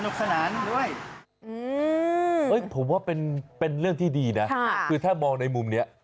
คือตรงที่ดีนะถ้ามองในมุมเนี้ย